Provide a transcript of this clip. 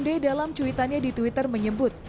mahfud md dalam cuitannya di twitter menyebut